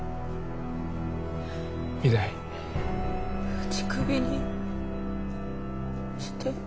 打ち首にして。